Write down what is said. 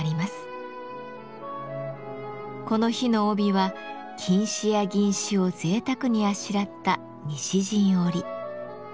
この日の帯は金糸や銀糸をぜいたくにあしらった西陣織。